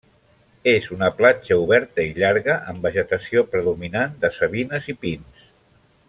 És una platja oberta i llarga amb vegetació predominant de savines i pins.